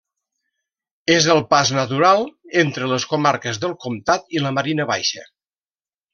És el pas natural entre les comarques del Comtat i la Marina Baixa.